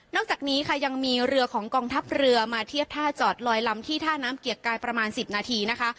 จากนี้ค่ะยังมีเรือของกองทัพเรือมาเทียบท่าจอดลอยลำที่ท่าน้ำเกียรติกายประมาณ๑๐นาทีนะคะ